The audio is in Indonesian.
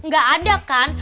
gak ada kan